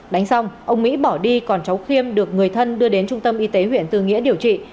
đánh xong ông mỹ bỏ đi còn cháu khiêm được người thân đưa đến trung tâm y tế huyện tư nghĩa điều trị